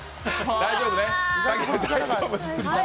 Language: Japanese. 大丈夫ね。